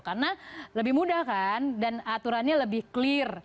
karena lebih mudah kan dan aturannya lebih clear